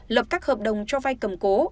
lập các hợp đồng cho vay cầm cố